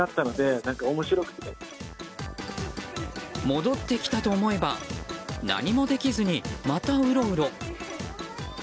戻ってきたと思えば何もできずに、またうろうろ。